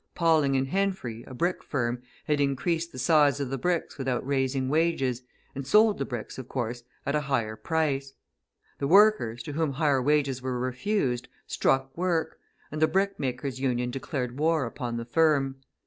Pauling & Henfrey, a brick firm, had increased the size of the bricks without raising wages, and sold the bricks, of course, at a higher price. The workers, to whom higher wages were refused, struck work, and the Brickmakers' Union declared war upon the firm.